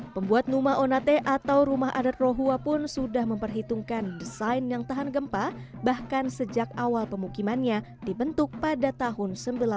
pembuat numa onate atau rumah adat rohua pun sudah memperhitungkan desain yang tahan gempa bahkan sejak awal pemukimannya dibentuk pada tahun seribu sembilan ratus delapan puluh